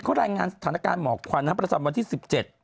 ข้อรายงานสถานการณ์หมอควัณธ์ประสันวันที่๑๗